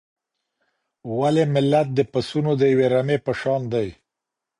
ولي ملت د پسونو د یوې رمې په شان دی؟